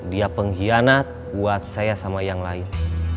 dia pengkhianat buat saya sama yang lain